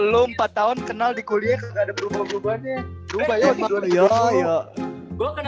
lo empat tahun kenal di kuliah gak ada berubah berubahnya